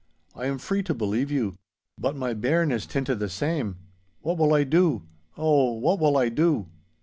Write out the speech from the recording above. I am free to believe you. But my bairn is tint a' the same. What will I do! Oh, what will I do?